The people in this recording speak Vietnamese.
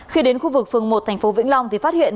khi đến khu vực phường một thành phố vĩnh long thì phát hiện